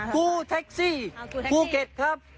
ขูแท็กซี่เก็ตครับ